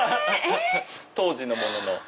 ⁉当時のもの。